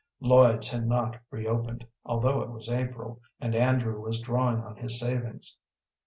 Lloyd's had not reopened, although it was April, and Andrew was drawing on his savings.